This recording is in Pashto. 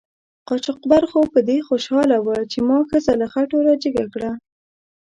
قاچاقبر خو په دې خوشحاله و چې ما ښځه له خټو را جګه کړه.